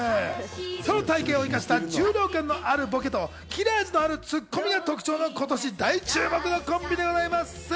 その体形を生かした重量感のあるボケと、切れ味のあるツッコミが特徴の今年大注目のコンビなんです。